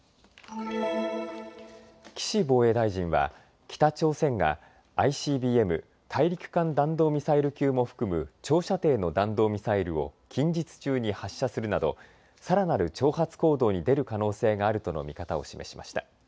岸防衛大臣は北朝鮮がＩＣＢＭ・大陸間弾道ミサイル級も含む長射程の弾道ミサイルを近日中に発射するなどさらなる挑発行動に出る可能性があるとの見方を示しました。